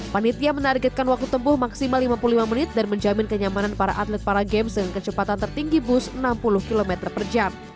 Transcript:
panitia menargetkan waktu tempuh maksimal lima puluh lima menit dan menjamin kenyamanan para atlet para games dengan kecepatan tertinggi bus enam puluh km per jam